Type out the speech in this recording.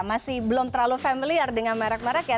masih belum terlalu familiar dengan merek merek ya